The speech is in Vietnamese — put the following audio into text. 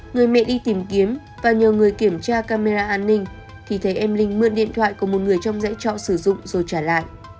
người mẹ đi tìm kiếm và nhờ người kiểm tra camera an ninh thì thấy em linh mượn điện thoại của một người trong dãy trọ sử dụng rồi trả lại